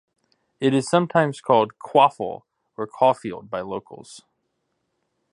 It is sometimes called "Caufle" or "Cawfield" by locals.